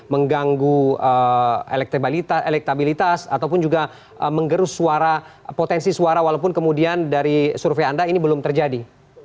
mengganggu elektabilitas ataupun juga menggerus suara potensi suara walaupun kemudian dari survei anda ini belum terjadi